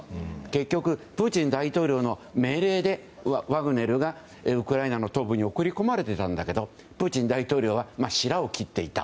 結局、プーチン大統領の命令でワグネルがウクライナの東部に送り込まれていたんだけどプーチン大統領はしらを切っていた。